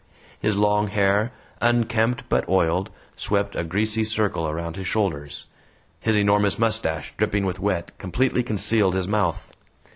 His long hair, unkempt but oiled, swept a greasy circle around his shoulders; his enormous mustache, dripping with wet, completely concealed his mouth.